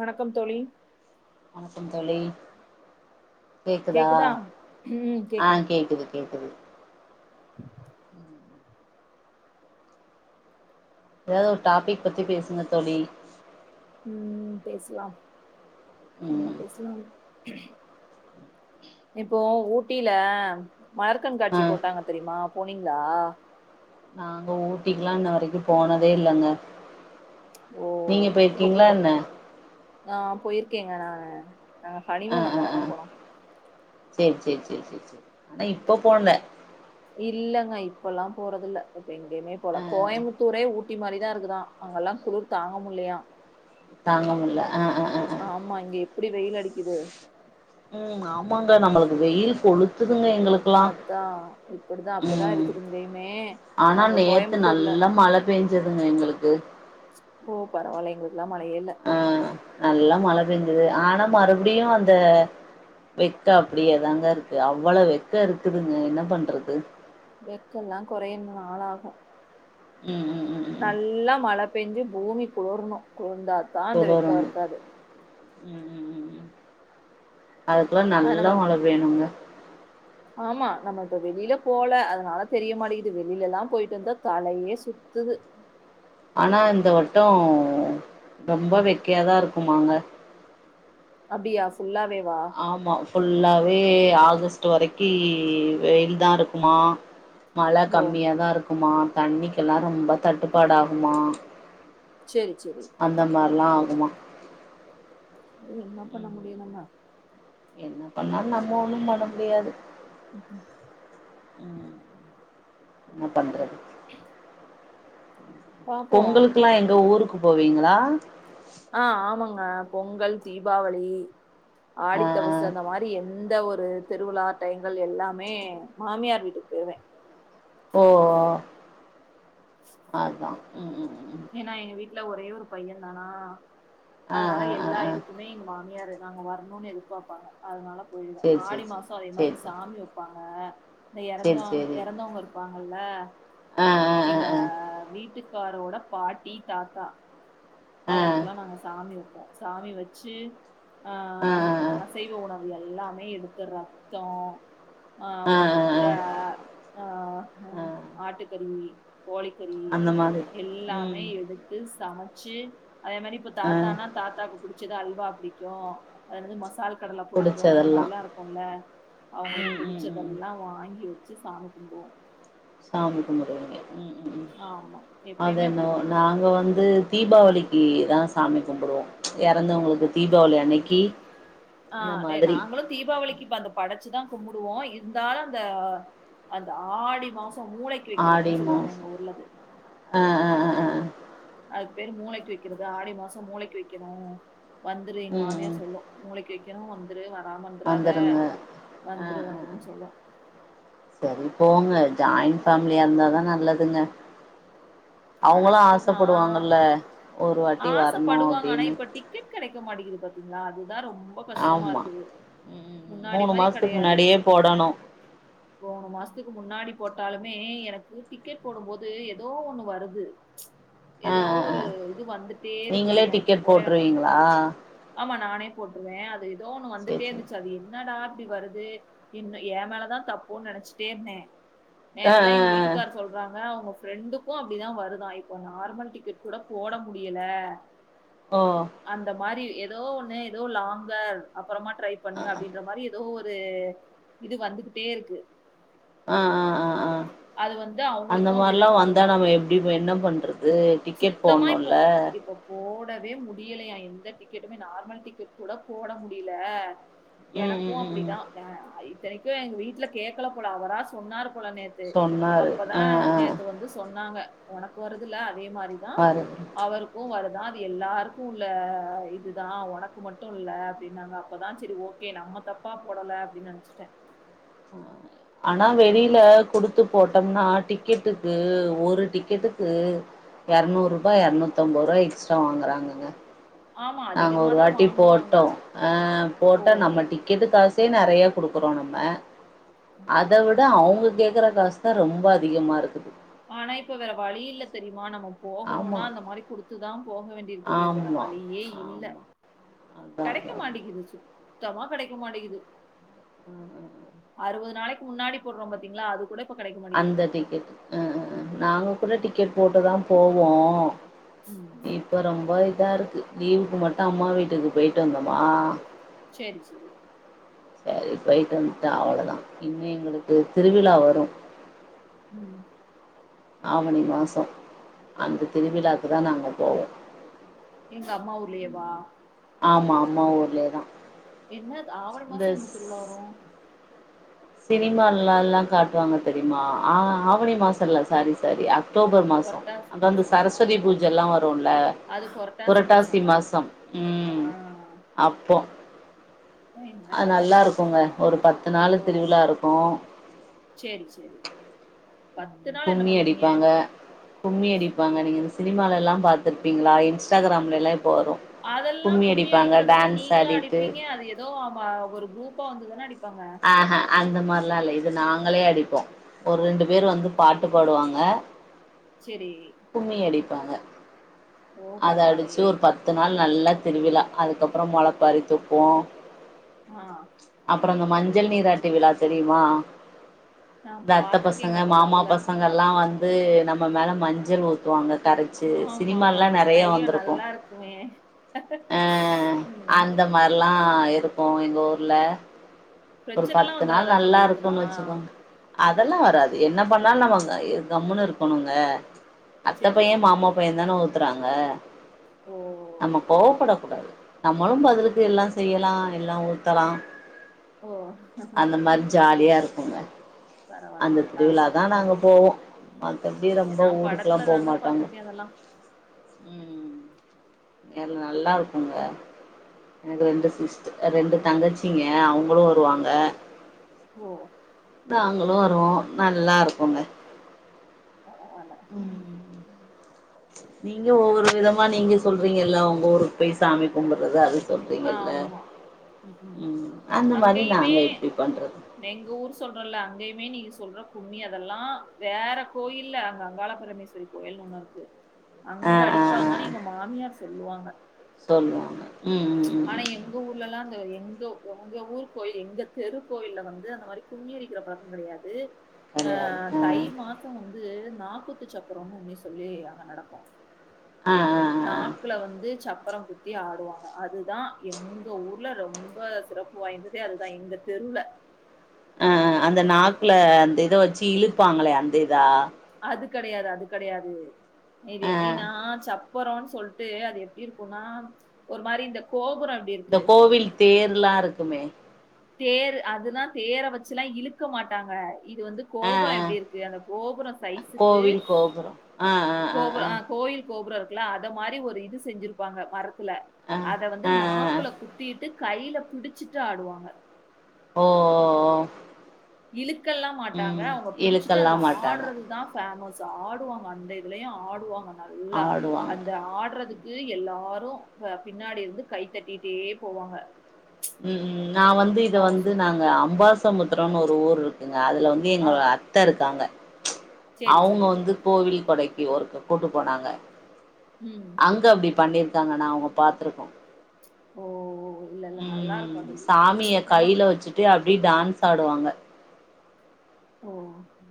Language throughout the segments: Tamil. வணக்கம் தோழி வணக்கம் தோழி கேக்குதா ஆ கேக்குது கேக்குது [unintelligible] ம் ஏதாது ஒரு டாபிக் பத்தி பேசுங்க தோழி ம் பேசலாம் என்ன ம் பேசலாம் இப்போ ஊட்டில ஆ மலர்கண்காட்சி போட்டாங்க தெரியுமா போனீங்களா ஊட்டிகுலா இன்ன வரைக்கும் போனதே இல்லங்க ஓ நீங்க இப்பகோ போயிருக்கீங்களா என்ன ஆ போயிருக்கேங்க நானு நாங் ஆ ஹனிமூன் ஆ அங்க ஆ தாங்க போனோ சேரி சேரி சேரி சேரி சேரி ஆனா இப்ப போல இல்லங்க இப்பல்லா போறத இல்ல இப்ப எங்கேயுமே போல ஆ ஆ கோயம்புத்தூரே ஊட்டி மாரிதா இருக்குதா அங்கெல்லா குளிர் தாங்க முல்லையா தாங்கமுல்ல ஆ அ அ ஆமா இங்க எப்டி வெயிலடிகிது ம் ஆமாங்க நம்மளுக்கு வெயில் கொளுத்துதுங்க எங்கக்கெலா அதா இப்டிதா அப்டிதா ம் இருக்குது இங்கயுமே ஆனா அங்க நேத்து கோயம்புத்தூர்ல நல்லா மழ பெஞ்சதுங்க எங்களுக்கு ஓ பரவால எங்களுக்குலா மழையே இல்ல ஆ நல்லா மழை பெஞ்சுது ஆனா மறுபடியு அந்த வெக்க அப்டியேதாங்க இருக்கு அவ்ளவு வெக்க இருக்குதுங்க என்ன பண்றது வெக்கெல்லா கொறைய நாளாகு ம் ம் ம் ம் நல்லா மழை பெஞ்சு பூமி குளிர்ணு குளிர்ந்தா குளுரணு ம் ம் ம் ம் அதுக்கெல்லா அது நல்லா நம்ம மழை பெயனுங்க ஆமா நம்ம இப்ப வெளியில போல அதனால தெரிய மாட்டேது வெளிலலா போயிட்டு வந்தா தலையே சுத்துது ஆனா இந்த வட்டோ ரொம்ப வெக்கையாதா இருக்குமாங்க அப்டியா ஃபுல்லாவேவா ஆமா ஃபுல்லாவே ஆகஸ்ட் வரக்கி வெயில்தா இருக்குமா மழ ஓ கம்மியாதா இருக்குமா தண்ணிக்கெல்லா ரொம்ப தட்டுப்பாடு ஆகுமா செரி செரி அந்த மார்லா ஆகுமா ம் என்னா பண்ண ம் முடியு நம்ம என்ன பண்ணாலு நம்ம ஒண்ணு பண்ண முடியாது ம்ஹூம் ம் என்னாப் பண்றது பாப்போ பொங்கலுக்குல்லா எங்க ஊருக்கு போவீங்ளா ஆ ஆமாங்க பொங்கல் தீபாவளி ஆடித்தவுசு ஆ அந்த மாரி எந்த ஒரு திருவிழாட்டயிங்கள் எல்லாமே மாமியார் வீட்டு ஓ அதா ம் ம் ம் ஏன்னா எங்க வீட்ல ஒரே ஒரு பையன்தானா ஆ அதனால ஆ ஆ எல்லா ஆ இது க்குமே எங்க மாமியார் நாங்க வரணுன் எதிர்பார்ப்பாங்க அதனால போயிடுவே சேரி ஆடி சேரி மாசோ அதே மாரி சேரி சேரி சாமி வெப்பாங்க இந்த எறந்த சேரி சேரி எறந்தவங்க இருப்பாங்கல்ல ஆ ஆ எங்க ஆ ஆ வீட்டுக்காரோட பாட்டி தாத்தா ஆ அவுங்களுக்கெல்லா நாங்க சாமி வெப்போ சாமி வச்சி ஆ செய் யோனு அது எல்லாமே எடுத்த ரத்தோ ஆ ட்ட ஆ ஆ ஆட்டுக்கறி கோழிக்கறி அந்த மாதிரி எல்லா ம் எடுத்து சமைச்சி அதே மாரி இப்ப ஆ தாத்தானா தாத்தாக்கு குடுத் சுதா அல்வா புடிக்கு அது என்னது மசால் கடல புடிக்கு அந்த புடிச்சதெல்லா மாரிலா இருக்குல அவுங்களுக்கு ம் ம் ம் ம் புடிச்சதெல்லா வாங்கி வெ ச்சி சாமி கும்புடுவோ சாமி கும்புடுவீங்க ம் ம் ம் ஆமா அத எப்பயுமே என்னவோ அப்டிதா நாங்க வந் து தீபாவளிக்குதா சாமி கும்பிடுவோ எறந்தவங்களுக்கு தீபாவளி அன்னிக்கி ஆ அதே நாங்களு தீபாவளிக்கு இப்ப அந்த படைச்சுதா கும்புடுவோ இருந்தாலு அந்த அந்த ஆடி மாசோ மூளைக்கி ஆடி வெக்கர்துன்னு சொல்லுவாங்க மாசோ எங்க ஊர்லது ஆ ஆ அ அது பேர் மூளைக்கி வெக்கர்து ஆடி மாசம் மூளைக்கி வெக்கண வந்துரு எங்க ம் மாமியா ம் சொல்லு மூளைக்கி வெக்கண வந்துரு வராம இருந்துராத வந்துருங்க ஆ வந்துரு ஆ ஆ. வந்துருன்னு சொல்லு சரி போங்க ஜாயின் ஃபேம்லியா இருந்தாதா நல்லதுங்க அவுங்களு கரெக்ட் தா ஆசப்படுவாங்கல்ல ஒரு வாட்டி வர்ணு அப்டின்னு கிக் கெடைக்க மாட்டிங்குது பாத்தீங்ளா அதுதா ரொம் ரொம்ப கஷ்டமா ஆமா இருக்குது ம் ம் ம் முன்னாடி மூணு மாரி மாசத்துக்கு கெடையாது இப்ப முன்னாடியே போடணு போன மாஸ்த்துக்கு முன்னாடி போட்டாலுமே எனக்கு டிக்கெட் போடும் போது ஏதோ ஒன்னு வருது ஆ ஏதோ ஆ ஆ ஒரு இது வந்துட்டே நீங்களே இருக்குதுதான இப்ப டிக்கெட் போட போட்ருவீங்களா ஆமா நானே போட்ருவே அது ஏதோ ஒண்ணு சேரி வந்துட்டே சேரி இருந்துச்சி அது என்னடா அப்டி வருது இன்னு ஏ மேலதா தப்போன்னு நெனச்சிட்டே இருந்தே ஆ நேத்துதா ஆ எங்க வீட்டுக்கார் சொல்றாங்க அவங்க ஃப்ரெண்டுக்கு அப்டிதா வருதா இப்போ நார்மல் டிக்கெட் கூட போட முடியல ஓ அந்த மாரி ஏதோ ஒண்ணு ஏதோ லாங்கர் அப்புறமா ட்ரை பண்ணுங்க அப்டின்ற மாரி ஏதோ ஒரு இது வந்துகிட்டே இருக்கு ஆ ஆ ஆ ஆ அது வந்து அந்த அவங்களுக்கும் மார்லா அப்படிதான் வந்தா வருதாம். நம்ம எப்டி என்ன பண்றது டிக்கெட் போணுல்ல இப்ப போடவே முடியலையா எந்த டிக்கெட்டுமே நார்மல் டிக்கெட் கூட போட முடில ம் எனக்கு ம் ம் ம் அப்படிதா அ இத்தனைக்கு எங்க வீட்ல கேக்கல போல அவரா சொன்னாரு போல நேத் து சொன்னாரு அப்பதா ஆ ஆ நேத்து வந்து சொன்னாங்க உனக்கு வரதுல்ல அதே மாரிதா பாரு அவருக்கு வருதா அது எல்லாருக்கு உள்ள இதுதா உனக்கு மட்டு இல்ல அப்டின்னாங்க அப்பதா செரி ஓகே நம்ம தப்பா போடல அப்டின்னு நெனைச்சுட்டே [inaudible] ஆனா வெளியில குடுத்து போட்டோம்னா டிக்கெட்டுக்கு ஒரு டிக்கெட்டுக்கு எரநூறுபா எரநூத்தம்பது ரூபா எக்ஸ்டரா வாங்குறாங்கங்க ஆமா நாங்க ஒரு அதிகமாதா வாட்டி வாங்குவாங்க. போட்டோ அ ஓ! போட்டா நம்ம டிக் டிக்கெட் காசே நெறைய குடுக்குறோ நம்ம அத ஆமா. வி ட அவுங்க கேக்குற காசு தா ரொம்ப அதிகமா இருக்கு ஆனா இப்ப வேற வழி இல்ல தெரிமா நம்ம ஆமா போகணுன்னா அந்த மாரி குடுத்துதா போக வேண் டி இருக்குது ஆமா வேறவழியேஇல்ல ஆமா அதா கெடைக்க அதா அதா மாடிக்கிது சுத் தமா கெடைக்க மாட்டேங்குது அ அ அ அறுவது நாளிக்கு முன்னாடி போடுறோ பாத்தீங்களா அது கூட இப்ப கெடைக்க மாட்டேங்குது அந்த டிக்கெட் அ அ நாங்க கூட டிக்கெட் போட்டுதா போவோ ம் இப்ப ரொம்ப இதா இருக்கு லீவுக்கு மட்டு அம்மா வீட்டுக்கு போயிட்டு வந்தோமா சேரி சேரி சேரி போயிட்டு வண்ட்டா அவ்ளோதா இன்மே எங்களுக்கு திருவிழா வரு ம் ஆவணி மாசோ அந்த திருவிழாக்கு தா நாங்க போவோ எங்க அம்மா ஊர்லயேவா ஆமா அம்மா ஊர்லயே தா என்னத் ஆவணி மாசோ இந்த திருவிழா வரு சினிமாலால்லா காட்டுவாங்க தெரியுமா ஆவணி மாசோ இல்ல சாரி சாரி அக் அக்டோபர் மாசோ புரட்டாசி அங்க வந்து மாசமா சரஸ்வதி பூஜயெல்லா வருல அது புரட்டாசி மாசங்க மாசம் ஆ ம் அப்போ அது என்னடா நல்லா பாத்தே இருக்குங்க ஒரு பத்து நாளு ஓ திருவிழா இருக்கு சேரி சேரி பத்து நாள் என்ன கும்மி பண்ணுவீங்க அடிப்பாங்க கும்மி அடிப்பாங்க நீங்க இந்த சினிமாலலா பாத்துருப்பீங்களா இன்ஸ்டாகிராம்ல லா இப்போ வரு அதெல்லா கும்மி அடிப்பாங்க அடிக்கிறதெல்லா டான்ஸ் நீங்களா ஆடிட்டு அடிப்பீங்க அது எ தோ ஆமா ஒரு குரூப்பா வந்துதானா அடிப்பாங்க ஆஹே அந்த மாரில்லா இல்ல இது நாங்களே அடிப்போ ஒரு ரெண்டு பேர் வந்து பாட்டு பாடுவாங்க சேரி கும்மி அடிப்பாங்க ஓ அத அடிச்சீ பரவாயில்லயே ஒரு பத் பத்து நாள் நல்லா திருவிழா அதுக்கப்றோ மொளப்பாரி தூக்குவோ ஆ இப்ப மஞ்சள் நீராட்டி விழா தெரியுமா நா இந்த அத்த பசங்க பாத்திருக்கேங்க மாமா படத்துல பசங் களா வந்து நம்ம மேல மஞ்சள் ஊத்துவாங்க கர ச்சு ஆமா சினிமால்லா நெறைய ஐயோ! வந்துருக்கு நல்லா இருக்குமே! அ அந்த ம். அந்த மாரிலா இருக்கு எங்க ஊர்ல ஒரு பிரச்சனலாம் பத்து நாள் வந்துராதாங்க நல்லா அப்டி ஊத்துனா? இருக்குனு வச்சுக்கோங்க அதெல்லா வராது என்ன பண்ணாலு நம்ம கம்முன்னு இருக்குணுங்க அத்த சரி, பைய சரி. மாமா பை அத்த பையதான ஊத்துறாங்க ஓ! நம்ம கோவப்பட கூடாது நம்மளு பதிலக்கு எல்லா செய்யலா எல்லா ஊத்தலா ஓ அந்த மாரி ஜாலியா இருக்கு பரவால்ல அந்த நல்லாருக்கும். திருவிழாதா நாங்க ம். போவோ மத்தபடி சரி ரெம்ப நான் ஊருக்கெல்லா படத்துல போ தாங்க மாட்டாங்க பாத்துருக்கேன் அதெல்லாம். ம் எ நல்லா இருக்குங்க எனக்கு ரெண்டு சிஸ்ட் ரெண்டு தங்கச்சிங்க அவுங்களு வருவாங்க ஓ நாங்களு வருவோ நல்லா இருக்குங்க பரவால ம் நீங்க ஒவ்வொரு விதமா நீங்க சொல்றீங்கல்ல அவுங்க ஊருக்கு போய் சாமி கும்புறது அது சொல்றீங்கல்ல ஆமா. ம் அந்த மாரி அங்கயுமே நாங்க இப்டி பண்றது எங்க ஊர் சொல்றோல்ல அங்கயுமே நீங்க சொல்ற கும்மி அதெல்லா வேற கோயில்ல அங்க அங்காள பரமேஸ் வரி கோயில்ன் ஒன்னு இருக்கு ஆ அங்க ஆ ஆ ஆ அடிப்பாங்கனு எங்க மாமியார் சொல்லுவாங்க சொல்லுவாங்க ம் ம் ம் ஆனா ம் எங் க ஊர்லலா அந்த எங்க எங்க ஊர் கோயில் எங்க தெரு கோயில வந்து அந்த மாரி கும்மியடிக்கிற பழக்க கெடயாது து கெடையாது அ ஆ தை மாச் ச வந்து நாப்பத்து சப்பரனு உண்மை சொல்லி அங்க நடக்கு ஆ ஆ ஆ நாக்குல வந்து சப்பரம் குத்தி ஆடுவாங்க அது தா எங்க ஊர்ல ரொம்ப சிறப்பு வாய்ந்ததே அதுதா எங்க தெருலவு அ அ அந்த நாக்குல அந்த இத வச்சி இழுப்பாங்களே அந்த இதா அது கெடையாது அது கெடையாது இது ஆ எப்டின்னா சப் போறோன் சொல்ட்டு அது எப்டி இருக்குனா ஒரு மாரி இந்த கோபுரம் எப்படி இந்த இருக்கு? கோவில் தேர்லா இருக்குமே தேர் அதுலா தேர வச்சுல்லா இழுக்க மாட்டாங்க இது வந்து ஆ கோபுர ஆ எப்டி இருக்கு அந்த கோபுர சைஸுக்கு கோவில் கோபுரோ ஆ ஆ ஆ கோபுர ஆ அ கோயில் கோபுர இருக்குலா அத மாரி ஒரு இது செஞ்சிருப்பாங்க மரத்துல ஆ அத வந் து ஆ ஆ நாக்குல குத்திட்டு கைல புடிச்சிட்டு ஆடுவாங்க ஓ இழுக்கல்லா மாட்டாங்க ம் அவுங்க புடிச்சிட்டு இழுக்கல்லா அதுல மாட்டாங்க ஆட்றது தா பேமஸ் ஆடுவாங்க அந்த இதுலயு ஆடுவாங்க நல்லா ஆடுவாங்க அந்த ஆடுறதுக் கு எல்லாரு பின்னாடி இருந்து கைத்தட்டிட்டே போவாங்க ம் ம் நா வந்து இத அவங்க வந்து சொ நாங்க அம்பாசமுத்ரம்ன் ஒரு ஊர் இருக்குங்க அதுல வந் து ஆ எங்களோ அத்த இருக்காங்க சரி, அவுங்க சரி. வந்து கோவில் கடைக்கு ஒருக்க கூட்டு போனாங்க ம் அங்க அப்டி பண்ணிருக்காங்க நாங்க அவுங்க பாத்துருக்கோ ஓ இல்ல, இல்ல. ம் நல்லாருக்கும் அது. சாமிய நமக் கைல வச்சிட்டு அப்டியே டான்ஸ் ஆடுவாங்க ஓ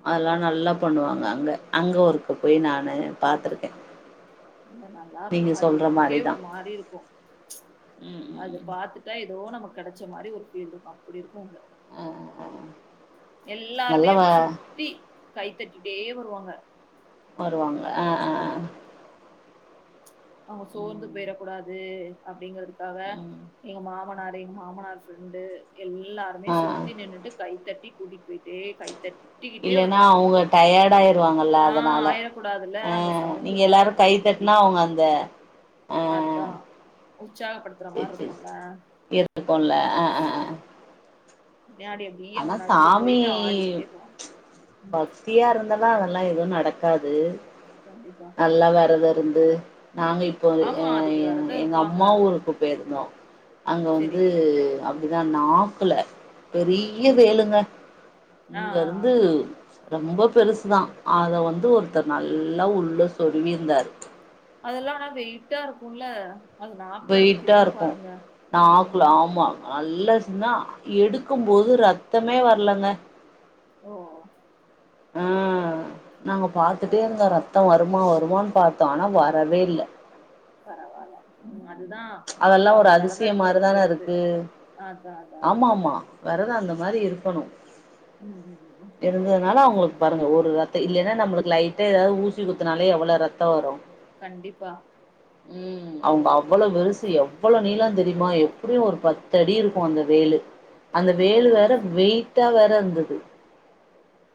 அதெல்லா நல்லா பண்ணுவாங்க அங்க அங்க ஒருக்க போய் நானு பாத்திருக்கே இல்ல நல்லா இருக்கு நீங்க அது சொல்ற நமக்கே மாரிதா ஒரு மாரி இருக்கு ம் ம் அத ம் பாத்துட்டா ஏதோ நமக் கெடச்ச மாரி ஒரு ஃபீல் இருக்கு அப்டி இருக்கு அங்க ஆ ஆ ஆ. எல்லாருமே நல்லா வ சுத்தி கைத்தட்டிட்டே வருவாங்க வருவாங்க ஆ ஆ ஆ அவுங்க சோந்து ம் போயிறக் கூடாது அப்டிங்கிறதுக்காக ம் எங்க மாம னாரு எங்க மாமனார் ஃப்ரெண்டு எல்லாருமே ஆ சுத்தி நின்னுட்டு கைத்தட்டி கூட்டிட்டு போய்ட்டு கைத்தட் இல்லன்னா அவுங்க டயர்டு ஆயிருவாங்கல்ல ஆஹ் அதனால ஆயிடக்கூடாதுல்ல அ அந்த நீங்க எல்லாரு சவுண்டுக்காக கைத்தட்னா அவுங்க அந்த ஆ அத்தா உற்சாகப்படுத்துற மாரி இருக்குல இருக்குல ஆ ஆ ஆ பின்னாடி அப்படியே ஆனா அவங்க நடந்து சாமி போயிட்டு ஆடிக்கிட்டே போவாங்க ம், பஸ் தியா இருந்தெல்லா அதெல்லா எதுவு நடக்காது கண்டிப்பா நல்லா வெரத இருந்து நாங்க இப் போ எ ஆமா அதுக்கு எங் விரதம் எங்க இருப்பாங்க அம்மா ஊருக்கு போய்ருந்தோ அங்க சரி வந்து அ ப்டிதா நாக்குல பெரிய ம் வேலுங்க இங்க ஆஹ் ஆஹ் இருந்து ரொம்ப பெருசுதா அத வந்து ஒருத்தர் நல்லா உள்ள சொருவி இருந்தாரு அதெல்லா ஆனா வெயிட்டா இருக்குல அது நாக்குல வெயிட்டா நிக்கிதுனா பாருங்க ம் நல்லசினா எடுக்கு போது ரத்தமே வர்லங்க ஓ ஆ நாங்க பாத்துட்டே பரவால இருந்தோ ரத்தோ வருமா வருமானு பாத்தோ ஆனா வரவே இல்ல பரவால அதுதா அதெல்லாம் ஒரு அவுங்க வெரதோ அதிசயம் இருக்குறத பொறுத்து அதா அதா அதா ஆமாமா வெரதோ அந்த மாரி இருக்கணு ம் ம் ம் ம் இருந்ததுனால அவுங்குளுக்கு பாருங்க ஒரு ரத்த இல்லன்னா நம்முளுக்கு லைட்டா ஏதாவ்து ஊசி குத்துனாலே எவ்ளோ ரத்தோ வரு கண்டிப்பா ம் அவுங்க அவ்ளோ பெருசு எப்பல்ஸ்ல எவ்ளோ நீலோ தெரிமா எப்டியு ஒரு பத்து அடி இருக் கு அந்த வேலு அந்த ஓ வேலு வேற சரி வெயிட்டா வேற இருந்தது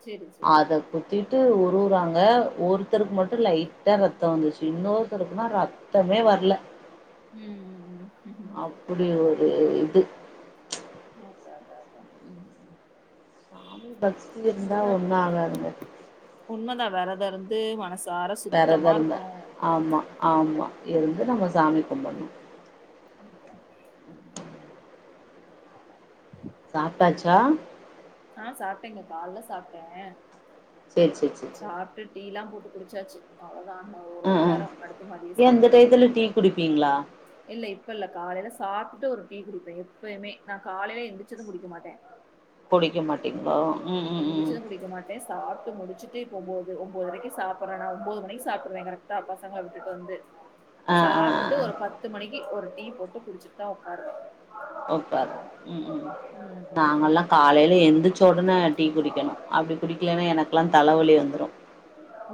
சரி சரி அத குத் திட்டு உருவுறாங்க ஒருத்தருக்கு மட்டு லைட்டா ரத்தோ வந்துச்சு இன்னொருத்தருக்குனா ரத் தமே வர்ல ம் ம் ம் ம் ம் அப்டி ஒரு இது அதா தாதா சாமி பக்தி இருந்தா ஒன்னு ஆகாதுங்க உண்ம தா வெரத இருந்து மனசு வெரத இருந்தா ஆமா ‌ஆமா இருந்து நம்ம சாமி கும்புடுனு அத்தா சாப்டாச்சா ஆ சாப்ட்டேங்க கால்ல சாப்ட்டே சேரி சேரி சேரி சேரி ட்டு டீ எல்லா போட்டு குடிச்சாச்சு அவ்ளோ தா இன்னு ஒரு ஆ மண் ஆ நேரோ அடுத்து மதிய ஏ இந்த சாப்பாடு தா டயத்துல டீ குடிப்பீங்களா இல்ல இப்ப இல்ல காலைல சாப்ட்டு ஒரு டீ குடிப்பே எப்பயுமே நா காலையில எந்திரச்சது குடிக்க மாட்டே குடிக்க மாட் டிங்குளோ ம் ம் ம் எந்திரிச்சது குடிக்க மாட் சாப்ட்டு முடிச்சிட்டு இப்ப ஒம்போது ஒம்போதரக்கி சாப்டறனா ஒன்போது மணிக்கு சாப்டுற கரெக்டா பசங்கள விட்டுட்டு வந்து ஆ ஆ சாப்ட்டுட்டு ஆ ஒரு பத்து மணிக்கு ஒரு டீ போட்டு குடிச்சிட்டு தா உக்காருவ உக்கார்றது உம் உம் நாங்கல்லா காலைல எந்திரிச் ச உடனே டீ குடிக்கணு அப்டி குடிக்கலனா எனக்கெல்லா தலவலி வந்துடும் அ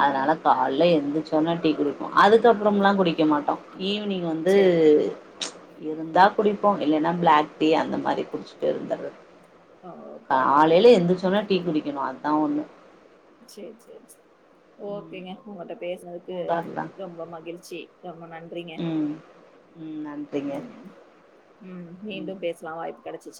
அதுனால காலைல எந்திரிச்ச சோன டீ குடிப்போ அதுக்கப்புறல்லா குடிக்க மாட்டோ ஈவி்னிங் வந்து சேரி இருந்தா குடிப்போ இல்லன்னா பிளாக் டீ அந்த மாறி குடிச்சுட்டு இருந்தற்றது ஓ பரவால்ல காலையில ம் எந்திரிச்சசோன டீ குடிக்கணு அத்தா ஒண்ணு சேர் சேர் சேர் ம் ஓகேங்க உங்கள்ட்ட பேசுனதுக்கு சூடா இருந்தா ரொம்ப மகிழ்ச்சி ரொம்ப நன் றிங்க ம் ம் நன்றிங்க உம் உம் ம் மீண்டும் பேசலா வாய்ப்பு கிடைச்சிச்சுனா